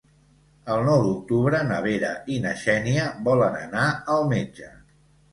El nou d'octubre na Vera i na Xènia volen anar al metge.